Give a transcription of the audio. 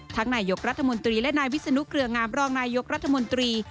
นายกรัฐมนตรีและนายวิศนุเกลืองามรองนายกรัฐมนตรี